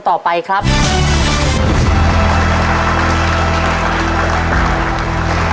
ตัวเลือกที่สี่อายุ๙๖ปี๔เดือน๘วัน